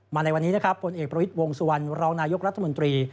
ในวันนี้นะครับผลเอกประวิทย์วงสุวรรณรองนายกรัฐมนตรี